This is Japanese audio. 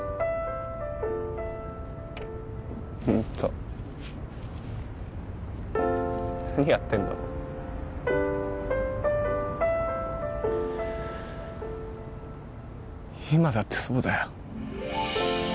ホント何やってんだろ今だってそうだよ